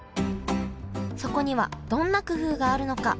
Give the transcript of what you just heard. そこにはどんな工夫があるのか？